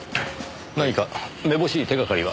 何かめぼしい手がかりは？